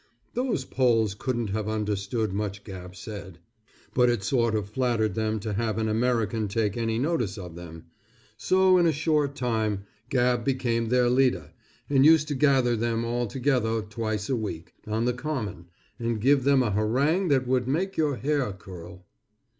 Those Poles couldn't have understood much Gabb said, but it sort of flattered them to have an American take any notice of them, so in a short time Gabb became their leader, and used to gather them all together twice a week, on the common, and give them a harangue that would make your hair curl.